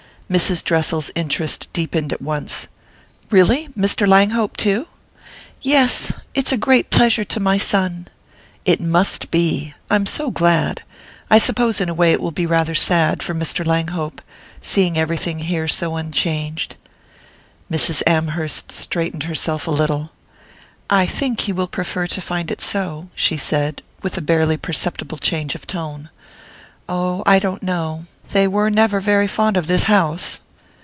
Mrs. Dressel's interest deepened at once. "Really? Mr. Langhope too?" "Yes. It's a great pleasure to my son." "It must be! I'm so glad. I suppose in a way it will be rather sad for Mr. Langhope seeing everything here so unchanged " Mrs. Amherst straightened herself a little. "I think he will prefer to find it so," she said, with a barely perceptible change of tone. "Oh, I don't know. They were never very fond of this house."